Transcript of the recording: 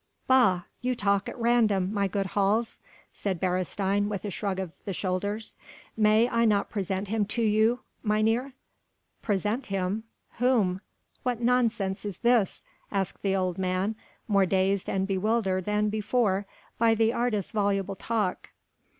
"Bah! you talk at random, my good Hals!" said Beresteyn with a shrug of the shoulders. "May I not present him to you, mynheer?" "Present him? Whom?... What nonsense is this?" asked the old man, more dazed and bewildered than before by the artist's voluble talk.